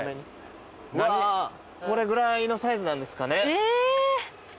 これぐらいのサイズなんですかね。